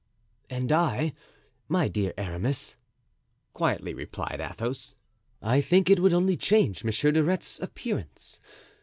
"And I, my dear Aramis," quietly replied Athos, "I think it would only change Monsieur de Retz's appearance.